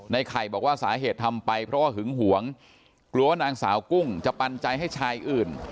ไข่บอกว่าสาเหตุทำไปเพราะว่าหึงหวงกลัวว่านางสาวกุ้งจะปันใจให้ชายอื่น